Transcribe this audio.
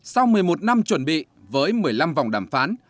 sau một mươi một năm chuẩn bị với một mươi năm vòng đàm phán